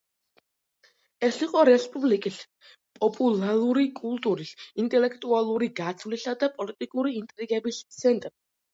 ეს იყო რესპუბლიკის პოპულარული კულტურის, ინტელექტუალური გაცვლისა და პოლიტიკური ინტრიგების ცენტრი.